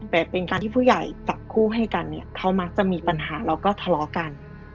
แต่เป็นการที่ผู้ใหญ่จับคู่ให้กันเนี่ยเขามักจะมีปัญหาแล้วก็ทะเลาะกัน